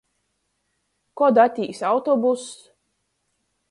Kod atīs autobuss?